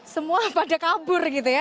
semua pada kabur gitu ya